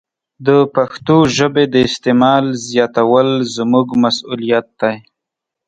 د پښتو ژبې د استعمال زیاتول زموږ مسوولیت دی.